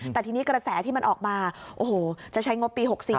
แต่ทีนี้กระแสที่มันออกมาโอ้โหจะใช้งบปี๖๔